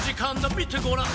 みてごらん！」